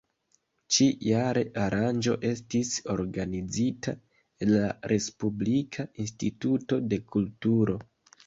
Ĉi-jare aranĝo estis organizita en la Respublika instituto de kulturo.